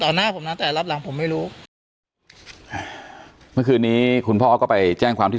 หน้าผมนะแต่รอบหลังผมไม่รู้เมื่อคืนนี้คุณพ่อก็ไปแจ้งความที่